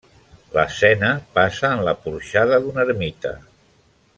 L'escena passa en la porxada d'una ermita.